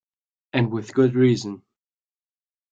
And with good reason.